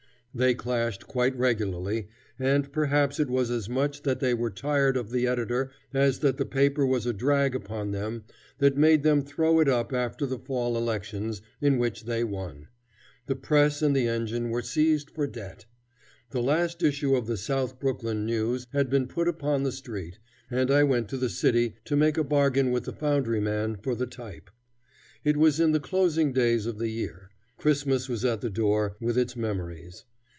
They clashed quite regularly, and perhaps it was as much that they were tired of the editor as that the paper was a drag upon them that made them throw it up after the fall elections, in which they won. The press and the engine were seized for debt. The last issue of the South Brooklyn News had been put upon the street, and I went to the city to make a bargain with the foundryman for the type. It was in the closing days of the year. Christmas was at the door, with its memories.